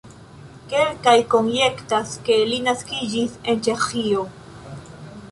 Kelkaj konjektas, ke li naskiĝis en Ĉeĥio.